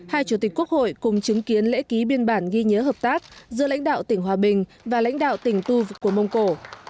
hai chủ tịch quốc hội cùng chứng kiến lễ ký biên bản ghi nhớ hợp tác giữa lãnh đạo tỉnh hòa bình và lãnh đạo tỉnh tu của mông cổ